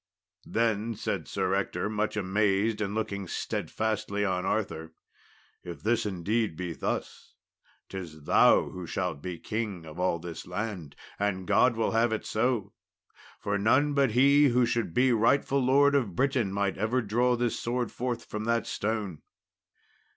Then said Sir Ector, much amazed and looking steadfastly on Arthur, "If this indeed be thus, 'tis thou who shalt be king of all this land and God will have it so for none but he who should be rightful Lord of Britain might ever draw this sword forth from that stone.